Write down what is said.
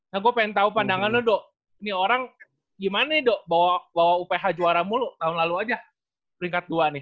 nah gue pengen tahu pandangannya dok ini orang gimana dok bawa uph juara mulu tahun lalu aja peringkat dua nih